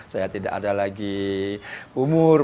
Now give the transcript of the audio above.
saya tidak ada lagi umur